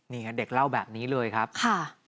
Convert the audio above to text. เด็กเล่าแบบนี้เลยครับค่ะ